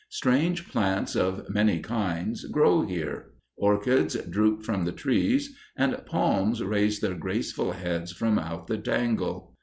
Strange plants of many kinds grow here; orchids droop from the trees, and palms raise their graceful heads from out the tangle.